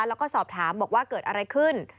แล้วก็สอบถามบอกว่าเกิดอะไรขึ้น